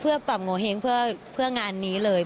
เพื่อปรับโงเห้งเพื่องานนี้เลย